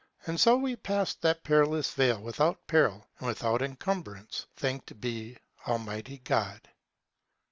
And so we passed that perilous vale without peril and without encumbrance, thanked be Almighty God.